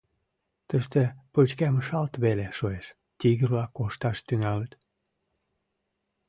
Тыште пычкемышалт веле шуэш, тигр-влак кошташ тӱҥалыт...